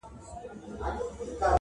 چي په تبر دي چپه په یوه آن کي!!